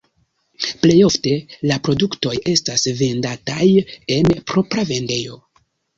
Plej ofte la produktoj estas vendataj en propra vendejo.